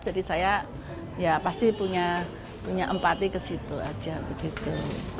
jadi saya ya pasti punya empati ke situ aja